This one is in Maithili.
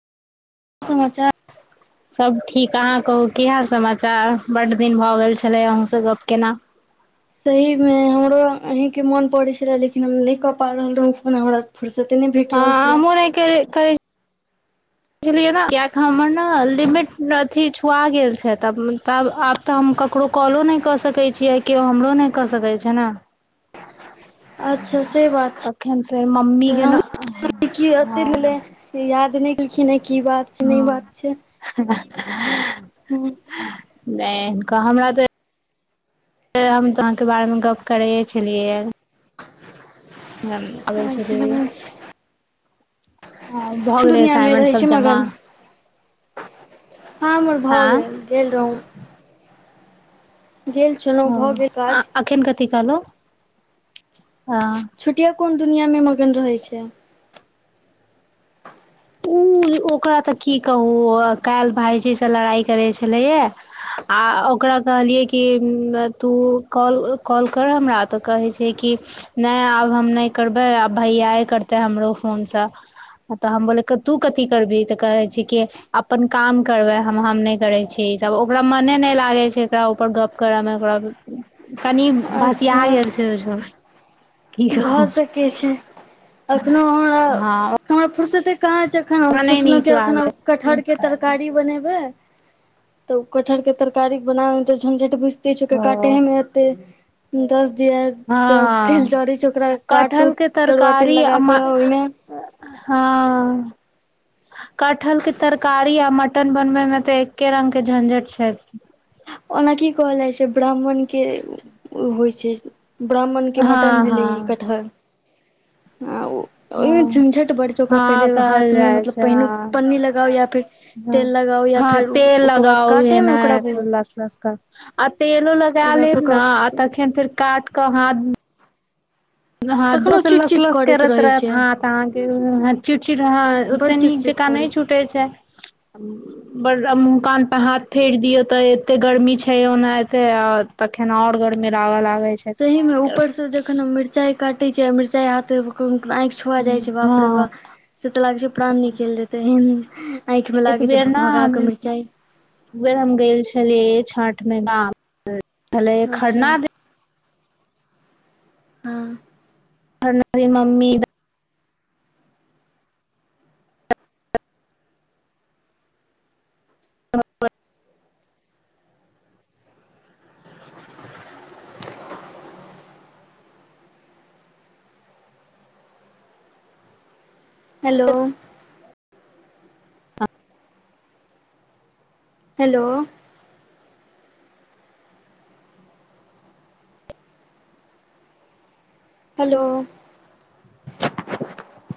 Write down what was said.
समाचार [inaudible] सब ठीक अहाँ कहू कि हाल समाचार बड दिन भऽ गेल छलै अहूँ से गप केला सही मे हमरो अहीं के मोन पड़े छलै लेकिन हम नहि कऽ पाबि रहल रहूं ओना हमरा फुरसते नहि भेट रहल छलै के करै बुझलियै ने कियाकि हमर न लिमिट अथी छुआ गेल छै तब तब आब तऽ हम ककरो कॉलो नहि कऽ सकै छियै आ केओ हमरो नहि कऽ सकैत छै न अच्छा से बात तखेन फेर ममी छै के हम न कि हँ एते भेलै याद नहि केलखिन हय की बात छै नहि बात छै ह्ह ह ह्ह हू नहि क हमरा तऽ त हम तऽ अहाँके बारेमे गप्प करैेये छलियै य हम अबै छलियै य अच्छा आ भऽ गेलै दुनिआँमे असाइनमेंट रहै छै सभ जमा मगन हँ हमर भऽ आँ गेल गेल रहूं गेल छलहुँ ओ भऽ गेल आ काज एखन कथि कहलो हं छोटिया कोन दुनिआँमे मगन रहै छै ओ ओकरा तऽ की कहू काल्हि भाईजी से लड़ाइ करै छलैये आ ओकरा कहलियै कि तू कॉल कॉल कर हमरा तऽ कहै छै कि नहि आब हम नहि करबै आब भैयाए करतै हमरो फोनसँ तऽ हम बोले कि तू कथि करबिही तऽ कहे छै कि अपन काम करबै हम हम नहि करै छियै ई सब ओकरा मने नहि लागै छै एकरा ऊपर गप करऽ मे ओकरा कनि भसिया अच्छा गेल छै ओहि छो भए सकै छै अखनो हमरा हँ हमरा फुर्सते कहाँ छै एखन हम ओकरा नहि सोचलहुँ नीक कि अखन लागै आब कटहर के छै तरकारी बनेबै तऽ ओ कटहरके तरकारी बनाबैमे तऽ झंझट बुझिते छियै ओ ओकरा काटहेमे एते दस दिया तेल हँ जरै छै ओकरा काटु कटहल के करुआ तेल तरकारी आ म लगाकऽ ओहिमे हँ कटहल के तरकारी आ म टन बनबै मे तऽ एके रंग के झंझट छै ओना की कहल जाइ छै ब्राह्मण के होइ छै ब्राह्मण के मटन हँ भेलै ई हँ कटहर ओहिमे हँ झंझट बड छै ओकरा हँ पहिले कहल हाथमे मतलब पहिने पन्नी लगाउ या फेर ह तेल लगाउ या हँ फेर तेल ओकर बाद लगाउ है काटेमे ओकरा न लस आ तेलो लगा ओकरा लेब न आ फुकऽ तखन फेर काट क हाथ हाथों तखनो सब चिट लस चिट लस करैत रहै रहत छै हाथ तऽ अहाँके चिटचिट हं बड़ ते चिट नीक चिट जेकाँ करै नहि छुटे छै बड आ मुंह कान पे हाथ फेर दियऔ तऽ एते गर्मी छै ओनाहिते और तखन और गरमी लागय लागै छै तऽ सही में की ऊपर से जखन हम मिरचाई काटे छी आ मिरचाई हाथे कखनो कखनो आंखि छुआ जाइ छै करबै हँ बाप रे बा से तऽ लागै छै प्राण निकेल देते हीं ह्ह आँखि मे लागे छै भकभका क मिरचाई उ बेर हम गेल छलियै छठ मे गाम छलै अच्छा खरना दिन हँ [unintelligible] मम्मी [inaudible] हेलो हेलो हेलो